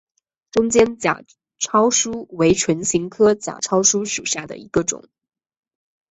中间假糙苏为唇形科假糙苏属下的一个种。